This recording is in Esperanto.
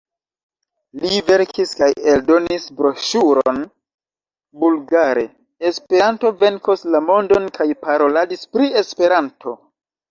Li verkis kaj eldonis broŝuron bulgare: "Esperanto venkos la mondon" kaj paroladis pri Esperanto.